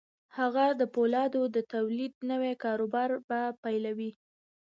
هغه د پولادو د تولید نوی کاروبار به پیلوي